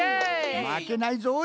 まけないぞい！